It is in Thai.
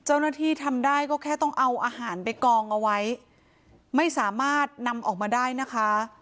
เจ้าหน้าที่ทำได้ก็แค่ต้องเอาอาหารไปกองเอาไว้ไม่สามารถนำออกมาได้นะคะ